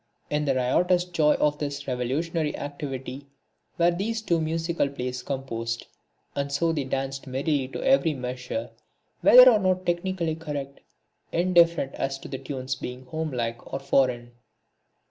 In the riotous joy of this revolutionary activity were these two musical plays composed, and so they danced merrily to every measure, whether or not technically correct, indifferent as to the tunes being homelike or foreign.